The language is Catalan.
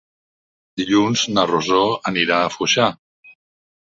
Dilluns na Rosó anirà a Foixà.